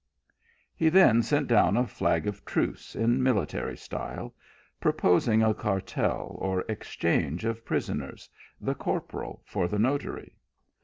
He then sent down a flag of truce in military style, proposing a cartel or exchange of prisoners, the corporal for the notary.